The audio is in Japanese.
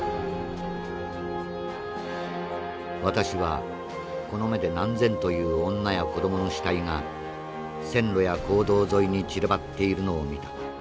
「私はこの目で何千という女や子どもの死体が線路や公道沿いに散らばっているのを見た。